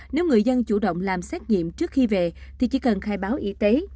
nếu người dân chủ động làm xét nghiệm trước khi về thì chỉ cần khai báo y tế